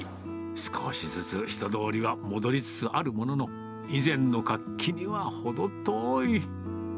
少しずつ人通りは戻りつつあるものの、以前の活気には程遠い。